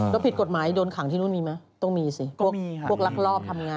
แล้วผิดกฎหมายโดนขังที่นู่นมีไหมต้องมีสิพวกลักลอบทำงาน